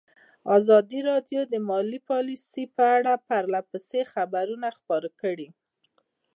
ازادي راډیو د مالي پالیسي په اړه پرله پسې خبرونه خپاره کړي.